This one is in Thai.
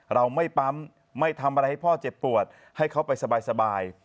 เราไม่ปั๊มไม่ทำอะไรให้พ่อเจ็บปวดให้เขาไปสบาย